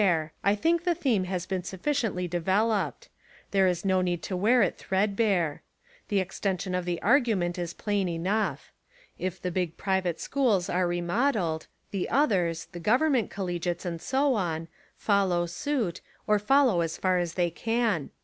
I think the theme has been suffi ciently developed. There is no need to wear It threadbare. The extension of the argument is plain enough. If the big private schools are remodelled, the others — the government col legiates and so on — follow suit, or follow as far as they can.